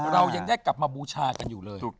เรายังได้กลับมาบูชากันอยู่เลย